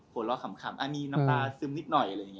หัวเราะขำมีน้ำตาซึมนิดหน่อย